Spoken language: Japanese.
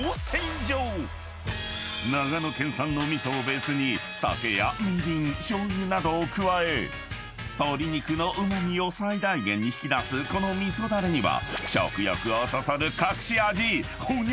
［長野県産の味噌をベースに酒やみりんしょうゆなどを加え鶏肉のうま味を最大限に引き出すこの味噌だれには］